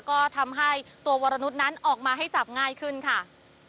ก็ทำให้ตัววรนุษย์นั้นออกมาให้จับง่ายขึ้นค่ะ